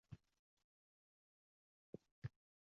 To’g’ri, mehnatsiz nimagadir erishish qiyin